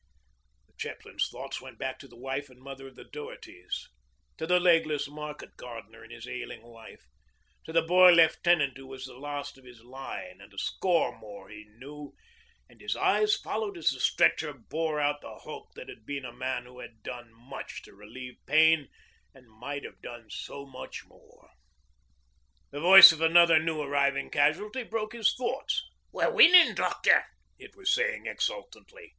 The chaplain's thoughts went back to the wife and mother of the Dohertys, to the legless market gardener and his ailing wife, to the boy lieutenant who was the last of his line, and a score more he knew, and his eyes followed as the stretcher bore out the hulk that had been a man who had done much to relieve pain and might have done so much more. The voice of another new arriving casualty broke his thoughts. 'We're winnin', doctor,' it was saying exultantly.